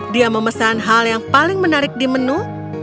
dia memesan hal yang paling menarik di menu